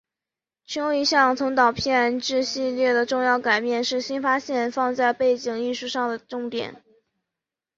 其中一项从导片至系列的重要改变是新发现放在背景艺术上的重点。